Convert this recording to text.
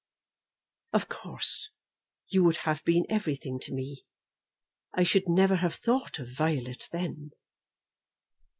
"Of course you would have been everything to me. I should never have thought of Violet then."